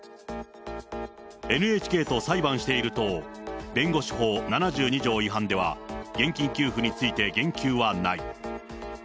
ＮＨＫと裁判している党弁護士法７２条違反では、現金給付について言及はない。